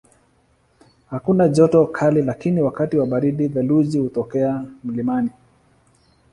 Hakuna joto kali lakini wakati wa baridi theluji hutokea mlimani.